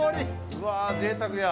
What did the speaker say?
うわぜいたくや。